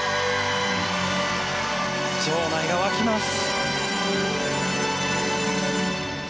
場内が沸きます。